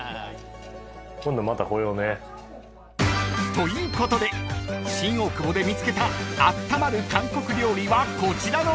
［ということで新大久保で見つけたあったまる韓国料理はこちらの４軒］